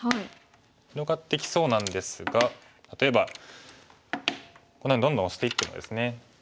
広がってきそうなんですが例えばこんなふうにどんどんオシていってもですね